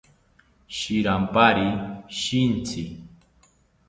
Shirampari shitzi